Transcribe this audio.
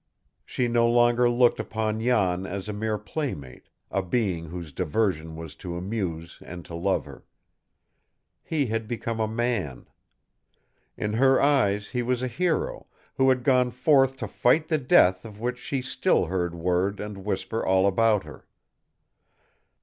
She no longer looked upon Jan as a mere playmate, a being whose diversion was to amuse and to love her. He had become a man. In her eyes he was a hero, who had gone forth to fight the death of which she still heard word and whisper all about her.